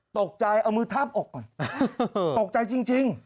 ตกใจเอามือทาบอกก่อนตกใจจริง